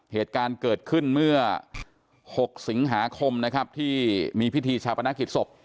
เหตุการณ์เกิดขึ้นเมื่อ๖สิงหาคมนะครับที่มีพิธีชาปนกิจศพ